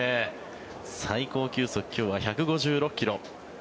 最高球速今日は１５６ｋｍ。